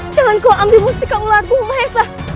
jangan kau ambil mustika ularku maesa